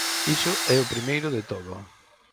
Iso é o primeiro de todo.